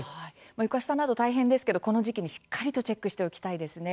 床下など大変ですけどこの時期にしっかりとチェックしておきたいですね。